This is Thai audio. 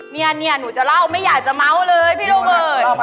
มียันนี่นูจะเล่าไม่อยากจะเม้าเลยพี่โลเบิร์ช